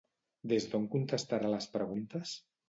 Des d'on contestarà les preguntes?